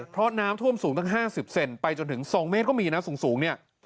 เพราะน้ำท่วมสูงตั้งห้าสิบเซนไปจนถึงสองเมตรก็มีน้ำสูงสูงเนี่ย